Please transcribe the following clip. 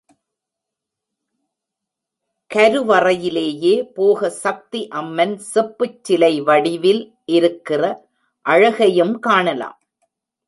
கருவறையிலேயே போக சக்தி அம்மன் செப்புச் சிலை வடிவில் இருக்கிற அழகையும் காணலாம்.